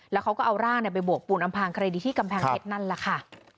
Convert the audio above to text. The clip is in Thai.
แล้วเขาก็เอาร่างไปบวกปูนอำพางคดีที่กำแพงเพชรนั่นแหละค่ะ